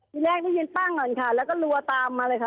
ทีแรกได้ยินปั้งก่อนค่ะแล้วก็รัวตามมาเลยค่ะ